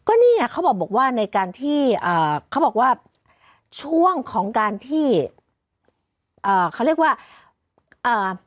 ก็นี่ไงเขาบอกว่าในการที่อ่าเขาบอกว่าช่วงของการที่เอ่อเขาเรียกว่าอ่า